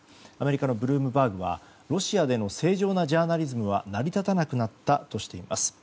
アメリカのブルームバーグはロシアでの正常なジャーナリズムは成り立たなくなったとしています。